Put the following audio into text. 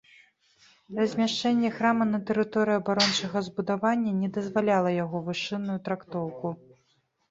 Размяшчэнне храма на тэрыторыі абарончага збудавання не дазваляла яго вышынную трактоўку.